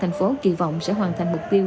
thành phố kỳ vọng sẽ hoàn thành mục tiêu